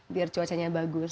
biar cuacanya bagus